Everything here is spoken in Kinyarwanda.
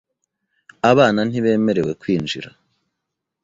Abana ntibemerewe kwinjira .